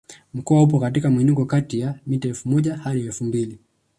Mkoa upo katika mwinuko kati ya mita elfu moja hadi elfu mbili